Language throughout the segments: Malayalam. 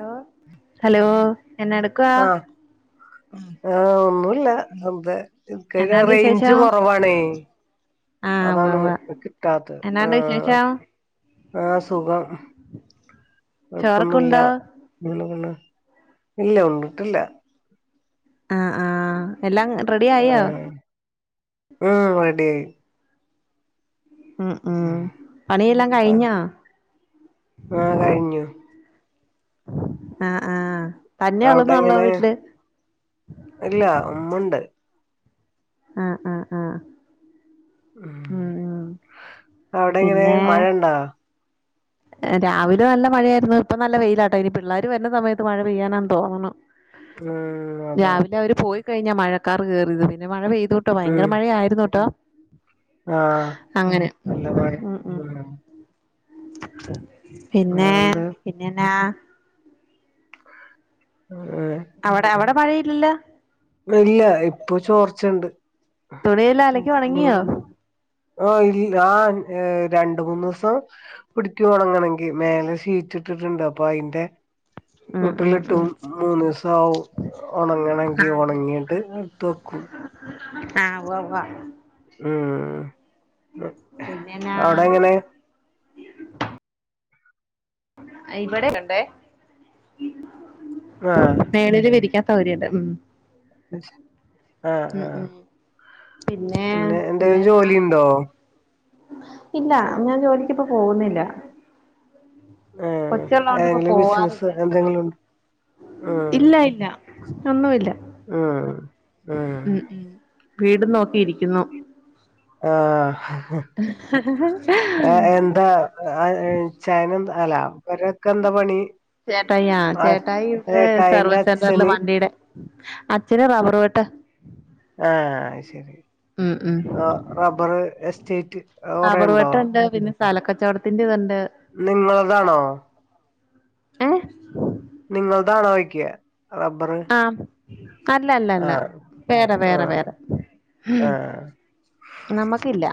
ലോ ഹലോ എന്നാ എടുക്കുവാ? ആഹ് ആഹ് ഒന്നൂല്ലാ ർതെ നിക്ക ര എന്നാണ്ട് റേയ്ഞ്ച് വിശേഷം കൊറവാണെ ആഹ് ഉവ്വ് അതാണ് ഉവ്വ് കിട്ടാത്തത് എന്നാണ്ട് ആഹ് വിശേഷം ആഹ് സുഖം കൊഴ്പ്പൊന്നുല്ല ചോറൊക്കുണ്ടോ [unintelligible] ഇല്ല ഉണ്ടിട്ടില്ല ആഹ് ആഹ്. എല്ലാം റെഡി ആയോ? ആഹ് റെഡിയായി. ഉം ഉം പണിയെല്ലാം എന്താ കഴിഞ്ഞോ? ആഹ് കഴിഞ്ഞു. ആഹ് ആഹ് തന്നെ അവ്ടെ ഉള്ളെന്നുള്ളോ എങ്ങനെ? വീട്ടില് ഇല്ല ഉമ്മണ്ട്. ആഹ് ആഹ് ആഹ് ഉം അവ്ടെ എങ്ങനെ, പിന്നെ മഴണ്ടോ? രാവിലെ നല്ല മഴയായിരുന്നു ഇപ്പോ നല്ല വെയിലാട്ടോ ഇനി പിള്ളേര് വര്ന സമയത്ത് മഴ പെയ്യാനാണ് തോന്ന്ണു. ഉം അതാ രാവിലെ അവര് പോയി കഴിഞ്ഞാ മഴക്കാർ കേറിയത് പിന്നെ മഴ പെയ്തോ ട്ടോ ഭയങ്കര ഉം മഴ ആയിരുന്നുട്ടോ. ആഹ് അങ്ങനെ. നല്ല മഴ ഉം ഉം പിന്നേ വേറെന്താ പിന്നെ ന്നാ? [unintelligible] അവടെ അവടെ മഴയില്ലല്ലോ? ഇല്ല ഇപ്പോ ചോർച്ചണ്ട്. തുണിയെല്ലാം ഉം അലക്കി ഒണങ്ങിയോ [unintelligible] ആഹ് ഇൽ ആഹ് ഏഹ് രണ്ട് മൂന്നൂസം പിടിക്ക്യു ഒണങ്ങണെങ്കി മേലെ ഷീറ്റ് ഇട്ടിട്ട്ണ്ട് അപ്പോ അയിന്റെ ഉം ഉം ഉം വീട്ടിലിട്ടും മൂന്നീസാവും ഒണങ്ങണ ആഹ് ഒണങ്ങിയിട്ട് എടുത്തു വയ്ക്കും. ആഹ് ഉവ്വ ഉവ്വ ഉം പിന്നെന്നാ അവിടെ എങ്ങനെ ഇവിടെ [unintelligible] ആഹ മേളില് വിരിക്കാൻ സൗകര്യണ്ട് ഉം ആഹ ഉം ആഹ ഉം പിന്നെ എന്തെങ്കിലും ജോലി ഉണ്ടോ ഇല്ല ഞാൻ ജോലിക്ക് ഇപ്പോ പോവുന്നില്ല ആഹ് കൊച്ച് ഒള്ളോണ്ട് ഇപ്പൊ ഏതെങ്കിലും ബിസിനസ് പോവാറില്ലേ എന്തെങ്കിലും ഉണ്ടോ ഉം ഇല്ല ഇല്ല ഒന്നുമില്ല ഉം ഉം ഉം വീടും നോക്കിയിരിക്കുന്നു ആഹ [unintelligible] [unintelligible] ചേട്ടായി ആഹ് ചേട്ടായി ഇവിടെ ഏട്ടായിന്റെ സർവീസ് സെന്ററിൽ അച്ഛന് വണ്ടിടെ അച്ഛന് റബ്ബർ വെട്ട് ആഹ അയ് ശരി ഉം ഉം ആ റബ്ബർ എസ്റ്റേറ്റ് കുറേ ഉണ്ടോ സ്ഥാലക്കച്ചോടത്തിന്റെ ഇതുണ്ട് നിങ്ങളതാണോ ഏഹ് നിങ്ങളതാണോ ചോയിക്കാ ആഹ് അല്ല അല്ല അല്ല ആഹ് വേറെ വേറെ ആഹ് വേറെ ആഹ് നമ്മക്കില്ല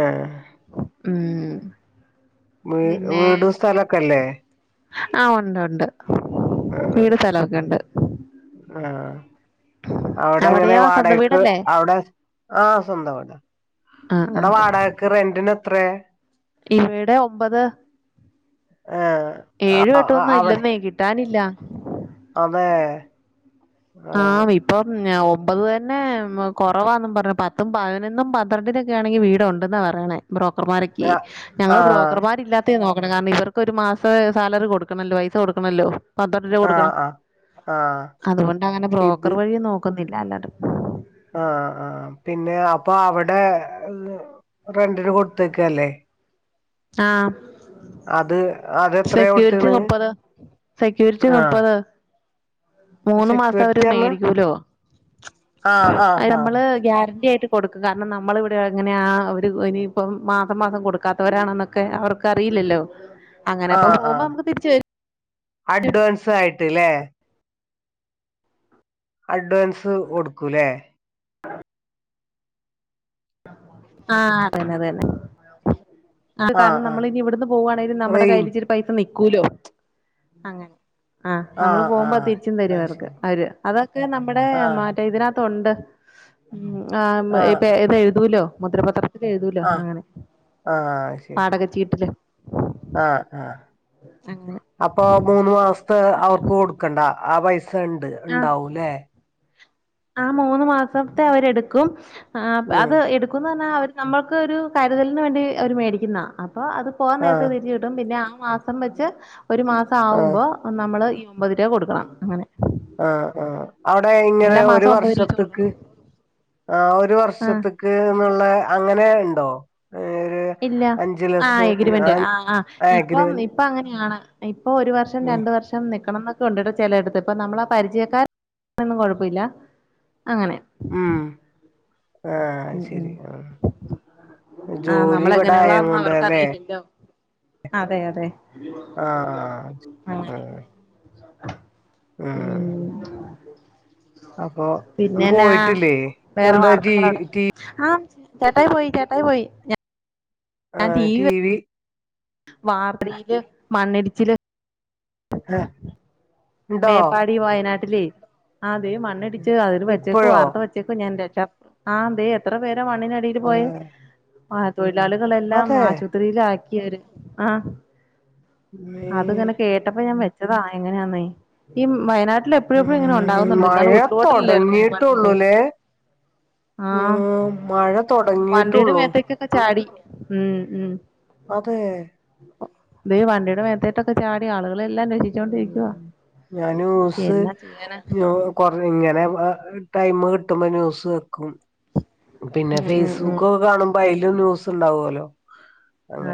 ആഹ ഉം വീ പിന്നെ വീടും സ്ഥലൊക്കെല്ലേ ആഹ ഉണ്ട് ഉണ്ട് വീട് സ്ഥലൊക്കെ ഉണ്ട് ആഹ അവിടെ എങ്ങനെ അവിടെയോ സ്വന്തം വാടകക്ക് വീടല്ലേ അവിടെ ആഹ സ്വന്തം വീട് ആഹ് അവിടെ ആഹ് വാടകക്ക് റെന്റിന് എത്രേ ഇവിടെ ഒമ്പത് ആഹ ഏഴും എട്ടും ഒന്നും ഇല്ലെന്നെ കിട്ടാനില്ല അതേ ആഹ് ഇപ്പം ഒമ്പത് തന്നെ കൊറവാന്ന് പറഞ്ഞ് പത്തും പതിനൊന്നും പന്ത്രണ്ടിനൊക്കെ ആണെങ്കി വീട് ഒണ്ടെന്നാ പറണേ ബ്രോക്കർമാരൊക്കെ ആഹ് ഞങ്ങള് ബ്രോക്കർമാരില്ലാത്ത ത്തെ നോക്കണെ കാരണം ഇവർക്കൊരു മാസം സാലറി കൊടുക്കണല്ലോ പൈസ കൊടുക്കണല്ലോ പന്ത്രണ്ട് രൂപ കൊടുക്കണം ആഹ് ആഹ് അതുകൊണ്ട് അങ്ങനെ ഇത് ബ്രോക്കർ വഴി നോക്കുന്നില്ല അല്ലാണ്ട് ആഹ ആഹ പിന്നെ അപ്പൊ അവിടെ റെന്റിന് കൊടുത്തേക്കല്ലേ ആഹ അത് അതെത്രയാ സെക്യൂരിറ്റി കൊടുത്ത്ണ് മുപ്പത് സെക്യൂരിറ്റി ആഹ് നുപ്പത് മൂന്ന് മാസം അവര് സെക്യൂരിറ്റി പറഞ്ഞ മേടിക്കൂലോ ആഹ് അത് ആഹ് ആഹ് നമ്മള് ഗ്യാരന്ണ്ടി ആയിട്ട് കൊടുക്കും കാരണം നമ്മളിവിടെ എങ്ങനെയാ ആ അവര് ഇനിയിപ്പം മാസം മാസം കൊടുക്കാത്തവരാണെന്ന് ഒക്കെ അവർക്ക് അറിയില്ലല്ലോ ആഹ ആഹ അഡ്വാൻസ് ആയിട്ട്ലേ അഡ്വാൻസ് കൊടുക്കുംലേ [unintelligible] ആഹ അതന്നെ അതന്നെ അത് ആഹ് കാരണം നമ്മൾ ആഹ് ഇനി ഇവിടുന്ന് പോവാണേലും നമ്മുടെ റെയിൻ കയ്യിൽ ഇച്ചിരി പൈസ നിക്കൂലോ അങ്ങനെ ആഹ് നമ്മള് പോകുമ്പോ ആഹ് തിരിച്ചും തരും ആഹ് അവർക്ക് ശരി അവര് അതൊക്കെ നമ്മുടെ ആഹ് മറ്റെ ഇതിനാത്ത് തുണ്ട് ആമ് ഇ പേ ആഹ് ഇത എഴുതൂലോ മുദ്രപത്രം ആഹ് ആഹ് ശരി വാടകച്ചീട്ടില് ആഹ് ആ അങ്ങനെ അപ്പൊ മൂന്ന് മാസത്തെ അവർക്ക് കൊടു ക്കണ്ടാ ആ പൈസണ്ട് ആഹ് ഇണ്ടാവൂല്ലേ ആ മൂന്ന്മാസത്തെ അവരെടുക്കും ആ ഉം അത് എടുക്കുന്നന്നാ അവർ നമ്മൾക്കൊരു കരുതലിന് വേണ്ടി അവര് മേടിക്കുന്നാ അപ്പൊ അത് പോവാൻനേരത്തെ ആഹ് തിരിച്ച് കി ട്ടും പിന്നെ ആ മാസംവെച്ച് ആഹ് ഒരുമാസാവുമ്പോ നമ്മള് ഈ ഒമ്പത് രൂപ കൊടുക്കണം അങ്ങനെ ആ ആ അവിടെ ഇങ്ങനെ എല്ലാ ഒരു മാസവും ഒമ്പത് രൂപ വെച്ച് വർഷത്തക്ക് കൊടുക്കണം ആഹ് ഒരു ആ വർഷത്തക്ക്ന്ന്ള്ള അങ്ങനെണ്ടോ ഇല്ല ആ എഗ്രിമെന്റ് ആ ആ ഇപ്പ ആഗ്രിമെന്റ് ഇപ്പൊ അങ്ങനെയാണ് ഇപ്പൊ ഒരുവർഷം ഉം രണ്ട് വർഷം നിക്കണംന്നൊക്കെ ഉണ്ട്ടൊ ചെലയിടത്ത് ഇപ്പ നമ്മള ആ പരിചയക്കാന്നും കുഴപ്പമില്ല അങ്ങനെ ഉം ആഹ് ഉം ഉം അത്ശരി ആഹ് ആ ജോലി ഇവിടെ നമ്മളെങ്ങനെയുള്ളാന്ന് ആയേൻകൊണ്ടാലേ അവർക്കറിയില്ലല്ലോ അതെ അതെ അങ്ങെനെ ആഹ് ആഹ് അപ്പൊ ഒന്നും പിന്നെന്നാ പോയിട്ടില്ലേ വേറെ എന്താ ടി വാർത്തകളട ടി ആഹ് ചേട്ടായിപോയി ചേട്ടായിപോയി ആഹ് ടി വി വാർപടീല് മണ്ണിടിച്ചില് ആഹ് മേപ്പാടി വയനാട്ടിലേ അ അതേ മണ്ണിടിച്ചു അതില് വച്ചേക്ക് ഇപ്പഴോ വാർത്തവച്ചേ ക്ക ഞാൻ രക്ഷാ ആന്തേ എത്രപേര മണ്ണിനടിൽപോയ അതെ ആ തൊഴിലാളികളെല്ലാം അതെ ആശുത്രിയിലാക്കിയര് ആഹ് മ്മേ അത്ങ്ങനെ കേട്ടപ്പോ ഞാൻ വെച്ചതാ എങ്ങനെയാന്ന ഈ വയനാട്ടിലെ ഉം മഴ മേപ്പാടി തൊടങ്ങിട്ടൊള്ളുലേ ആ ഉം മഴ തൊടങ്ങീട്ടുള്ളു പ ചാടി ഉം ഉ അതെ തെ വണ്ടിയുടെ മേത്തേട്ടൊക്കെ ചാടി ആളുകളെല്ലാം രക്ഷിച്ചൊണ്ടിരിക്കുവ ഞാനൂസ് കൊറഇങ്ങനെ ആ ടൈമ്കിട്ടുമ്പോ ന്യൂസ് വെക്കും പിന്നെ ഉം ഉം ഉം ഫേസ്ബുകൊക്കെ കാണുമ്പോ അയിലും ന്യൂസ്ണ്ടാവോലോ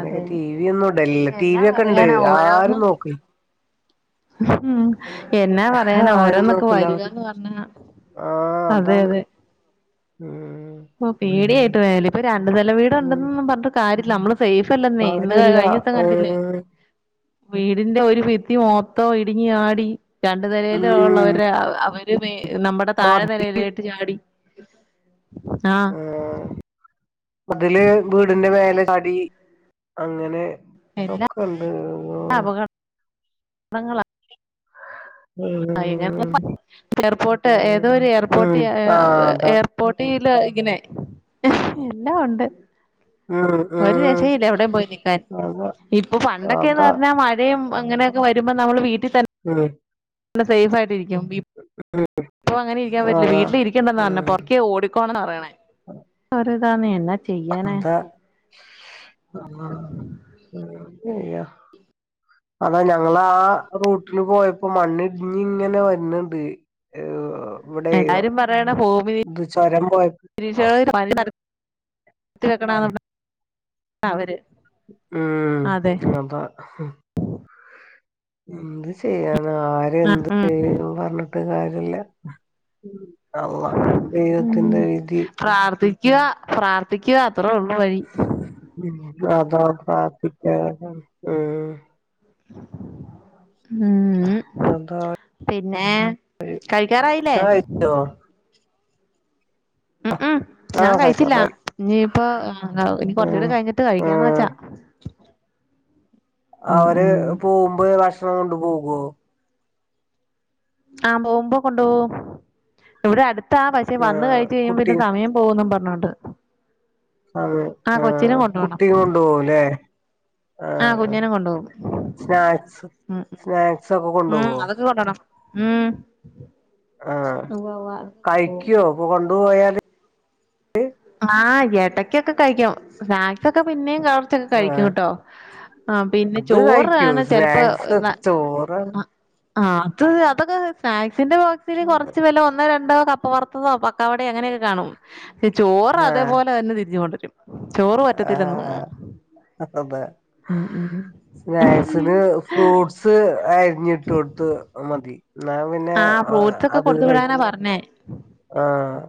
അതെ ടി വി ഒന്നും ഇടലില്ല ടി എന്നാ വി ഒക്കെണ്ട് പറയാനാ ഓരോന്ന് ആരും നോക്ക്. ഉം എന്നാ പറയാന ആരും ഓരോന്നൊക്കെ നോക്കൂല വരുവാന്ന്പർഞ്ഞ ആഹ് അതാണ്. ഉം ഓ പേടിയായിട്ട് വയ ഇപ്പൊ രണ്ട്നില ഉം വീട്ണ്ടൊന്നും പറഞ്ഞിട്ട്കാര്യല്ല അമ്മള് സേഫല്ലന്നേ ഇന്ന് ആരുല്ല കഴിഞ്ഞൂസം കണ്ടില്ലേ ഉം വീടിന്റെ ഒരു ഭിത്തി മൊത്തം ഇടിഞ്ഞാടി രണ്ടു നിലയിൽ ഉം ഒള്ളവര് അവര് നമ്മുടെ മതില് താഴെനിലയിലോട്ട് ചാടി ആഹ് ആഹ് മതില് വീടിന്റെ മേലെചാടി അങ്ങനെ എല്ലാ ഒകെണ്ട് ഓഹ് പ്രങ്ങള ഉം [unintelligible] എയർപോർട്ട് ഏതോ ഒരു എയർപോർട്ട് ഉം ഏ ആഹ് അതാ എർ പോട്ടില ഇങ്ങനെ എല്ലാ ഒണ്ട് ഉം ഒരു ഉം രക്ഷേ ഇല്ല എവിടെയും പോയിനിക്കാൻ അതാ ഇപ്പൊ അതാ പണ്ടൊക്കെന്നർഞ്ഞാ മ ഴയു അങ്ങനെയൊക്കെ വരുമ്പോ നമ്മൾ വീട്ടിതന്നെ ഉം നല്ല സേഫ് ആയിട്ടിരിക്കും ഉം ഇപ്പ അങ്ങനെ ഇരിക്കാൻ പറ്റില്ല അതാ വീട്ടില് ഇരിക്ക. ക്കണ്ടനാ പറയ്ണെ ഉം പൊറക്കെ ഓടിക്കാണ്ടാന്നാ പറയിന്നേ അതാ [unintelligible] അതാ ഞങ്ങ ള് ആ റൂട്ടിന് പോയപ്പോ മണ്ണിടിഞ്ഞ് ഇങ്ങനെ വരുന്നുണ്ട്. ഏ എല്ലാരും പറയിന്നേ ചൊരം പോയപ്പോ [unintelligible] [inaudible] [inaudible] അവര്. അതെ ഉം അതാ എന്ത് ചെയ്യാന ആര് ആഹ് എന്ത് ഉം [unintelligible] പറഞ്ഞിട്ട് കാര്യില്ല. അള്ള ദൈവത്തിന്റെ വിധി. പ്രാർഥി ക്കുക പ്രാർത്ഥിക്കുക അത്രേ ഒള്ളു വഴി. അതാ പ്രാർത്ഥിക്കുക ഹം [inaudible] ഉ അതാ പിന്നെ കഴിക്കാറായില്ലേ? ഓ ഉംഉം ആ കഴിക്കാറായി. ഇനിയിപ്പോ ഇനി കൊറച്ചുടെ ഉം കഴിഞ്ഞിട്ട് കഴിക്കാന്ന് ഉം വെച്ചാ. ഉം അവര് ഉം പോകുമ്പോ ഭക്ഷണം കൊണ്ട് പോകോ? ആഹ പോകുമ്പോ കൊണ്ടോകും ഇവിടെ അടുത്താ പക്ഷെ വന്ന് ആഹ് കഴിച്ചു കഴിയുമ്പം കുട്ടി പിന്നെ സമയം. പോവുന്നും പറഞ്ഞിട്ട്. അത് ആ കൊണ്ടു പോണം കുട്ടി കൊണ്ടു പോകുല്ലേ? ആ കുഞ്ഞനും കൊണ്ടുപോകും സ്നാക്സ് ഉ ഉ സ്നാക്സ് ഒക്കെ ഉം കൊണ്ടുപോവോ അതൊക്കെ കൊണ്ട്പോണം. ഉം ആഹ് ഉവാ വാ ഉം കഴിക്കോ അപ്പൊ കൊണ്ടുപോയാല് ആഹ് എടക്കൊക്കെ കഴിക്കും സ്നാക്സൊക്കെ പിന്നെയും കുറച്ചൊക്കെ ആഹ് കഴിക്കുംട്ടോ. ആഹ പിന്നെ അത് കഴിക്കും ചോറാണ് ചെലപ്പോ സ്നാക്സ് എന്താ ചോറ് ആ ആ അത് അതൊക്കെ സ്നാക്സിന്റെ ബോക്സിന് കുറച്ച് വില ഒന്നോ രണ്ടോ കപ്പ വർത്ത. തോ പൊക്കാവടയോ അങ്ങനെയൊക്കെ കാണും പെ ചോറ് ആഹ് അതേപോലെ തന്നെ തിരിച്ചു കൊണ്ടുവരും. ചോറ് പറ്റത്തില്ല തോന്നു അതെ അതെ സ്നാക്സിന് ഫ്രൂട്ട്സ്. സ് ആര്ഞ്ഞിട്ടൊട്ത്ത് അഅ് മതി നാ പിന്നെ ആഹ് അ ഫ്രൂട്ട്സ് ഒക്കെ അത് കൊടുത്തു കഴി വിടാനാ പറഞ്ഞേ ആഹ്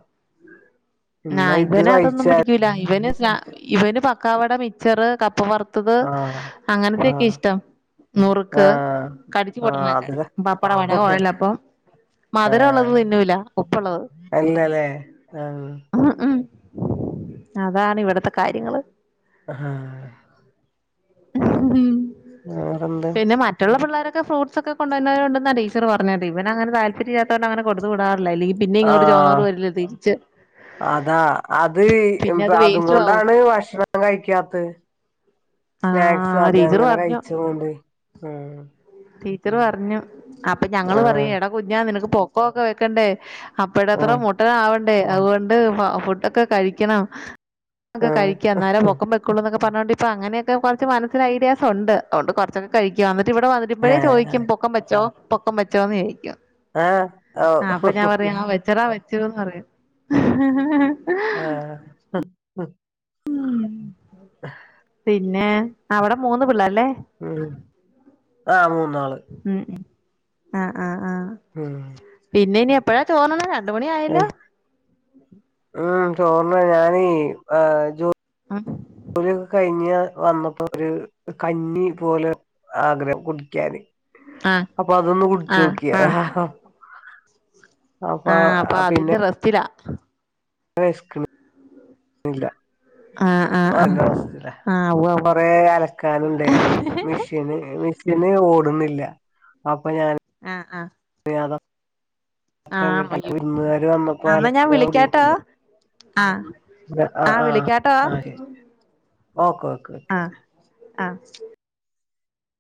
ന്നാ ഇത് വഴിച്ച ല ഇവന് ഇവന് പക്കാവട മിച്ചറ് കപ്പ വർ ത്തത് ആഹ് അങ്ങനത്തെെക്കെ ആഹ് ഇഷ്ടം. നുറുക്ക് ആഹ് കടിച്ചു ആഹ് പൊട്ട്ണെക്കെ അത് പപ്പട വട ഒഴലപ്പ മധുര ആഹ് ഉള്ളത് തിന്നൂല ഉപ്പുള്ളത് അല്ലല്ലേ ആഹ് ഉ ഉ അതാണ് ഇവിടത്തെ കാര്യങ്ങള് ആഹാ ഉ ഉം വേറെന്ത് മറ്റുള്ള പിള്ളോരക്കെ ഫ്രൂട്സ് ക്കെ കൊണ്ടോ ർന്നോർ ണ്ട് ന്നാ ടീച്ചർ പർഞ്ഞ ഇവനങ്ങനെ താല്പര്യല്ല്യാത്തോണ്ട് അങ്ങന കൊടന്ന് വിടാറില്ല. ല്ലീ പിന്നാം ഇങ്ങോട് ചൊമന്നോണ് ആഹ് വരില്ലേ തിരിച്ച് അതാ അത് പിന്നെ അത് അതും വേസ്റ്റും ആവും കൊണ്ടാണ് ഭക്ഷണം കഴിക്കാത്ത സ്നാക്സ് ആഹ് അത് ടീച്ചർ അങ്ങനെ പറഞ്ഞു കഴിച്ചൊണ്ട് ഉം ടീച്ചർ പറഞ്ഞു അപ്പൊ ഞങ്ങള് ആഹ് പറയും എടാ കുഞ്ഞാ നിനക്ക് പൊക്കൊക്കെ വെക്കണ്ടേ അപ്പേടത്ര മുട്ടനാവണ്ടേ അതുകൊണ്ട് ഫുഡൊക്കെ കഴിക്കണം ആഹ് കഴിക്കാം അന്നേരം ആഹ് പൊക്ക ക്കുള്ളുന്നൊക്കെ പറഞ്ഞോണ്ട് ഇപ്പ അനൊക്കെ കുറച്ച് മനസിൽ ഐഡിയാസ് ഉണ്ട്. അതോണ്ട് കൊർ ച്ചൊക്കെ കഴിക്കും. അന്നിട്ട് ഇവടെ വന്നിട്ട് മ്പഴേ ആഹ് ചോദിക്കും പൊക്കം പച്ചോ പൊക്കം പച്ചോന്ന് ചോദിക്കും. ആഹ് ആ അപ്പൊ ഓഹ് ഞാൻ പറയും ആ വെച്ച ച്ചരാ വെച്ചൂന്ന് പറയും ആഹ് പിന്നെ.. അവിടെ മൂന്ന് പിള്ളല്ലേ ഉം ആഹ് മൂന്നാള് ഉം ആഹ് ആഹ് ആഹ് ഉം പിന്നെ ഇനി എപ്പഴാ തോന്നണ രണ്ട് മണി ആയല്ലോ ഉം ചോർന്ന ഞാനീ ആഹ് ജ ഉം ജോലിക്കെ കഴിഞ്ഞ് വന്നപ്പോ ഒരു കഞ്ഞി പോലെ ആഗ്രഹം കുടിക്കാന് ആ അപ്പൊ അതൊന്ന് ആ കുടിച്ചോക്കിയ ആ ആഹ് അപ്പൊ അതിന്റെ റെസ്റ്റിലാ വെശ്ക്ക് ണ് ല്ല ആഹ് ആഹ് അ ആഹ് അവസ്ഥല്ല ആഹ് ഉവ്വ ഉവ്വ കൊറോ അലക്കാൻ ണ്ടായിര്ന്നു മിഷീൻ മിഷിൻ ഓടുന്നില്ല അപ്പ ഞാൻ ആഹ് ആഹ് അ അത ആഹ് അയ്യോ വന്നപ്പോ അന്ന ഞാൻ അലക്കാൻ വിളിക്കാട്ടോ ആഹ് ആ ആഹ് ആ വിളിക്കാട്ടോ ആ ശരി ഓക്കെ ഓക്കേ ഓക്കെ ആഹ് ആഹ്